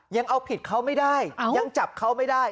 ยังเอาผิดเขาไม่ได้ยังจับเขาไม่ได้